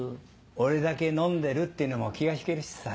俺だけ飲んでるっていうのも気が引けるしさ。